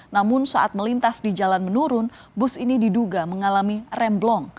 namun saat melintas di jalan menurun bus ini diduga mengalami remblong